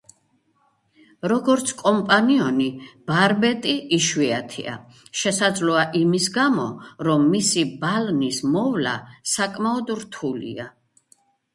როგორც კომპანიონი ბარბეტი იშვიათია, შესაძლოა იმის გამო, რომ მისი ბალნის მოვლა საკმაოდ რთულია.